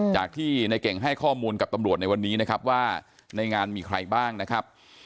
จากที่ในเก่งให้ข้อมูลกับตำรวจในวันนี้นะครับว่าในงานมีใครบ้างนะครับ